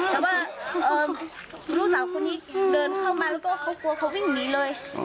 แต่ว่าลูกสาวคนนี้เดินเข้ามาแล้วก็เขากลัวเขาวิ่งหนีเลย